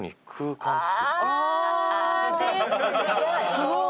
すごい！